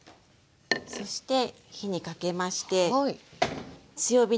そして火にかけまして強火にかけます。